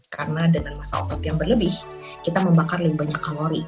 karena dengan masa otot yang berlebih kita membakar lebih banyak kalori